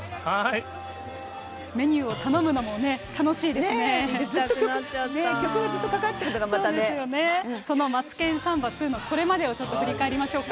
メニューを頼むのもね、楽しいで曲がずっとかかってるのが、そのマツケンサンバＩＩのこれまでをちょっと振り返りましょうか。